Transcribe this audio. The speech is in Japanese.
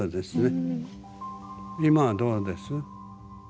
今はどうです？